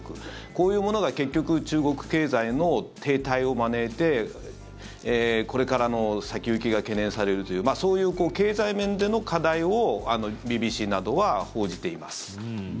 こういうものが結局、中国経済の停滞を招いてこれからの先行きが懸念されるというそういう経済面での課題をＢＢＣなどは報じています。